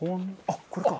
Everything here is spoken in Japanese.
あっこれか。